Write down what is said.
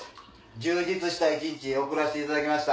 充実した一日送らせていただきました。